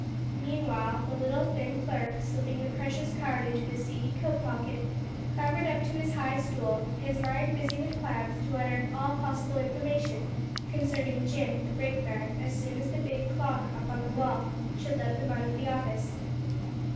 Meanwhile the little, thin clerk, slipping the precious card into his seedy coat pocket, clambered up to his high stool, his mind busy with plans to unearth all possible information concerning Jim, the brakeman, as soon as the big clock up on the wall should let them out of the office.